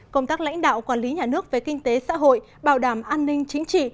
công tác lãnh đạo quản lý nhà nước về kinh tế xã hội bảo đảm an ninh chính trị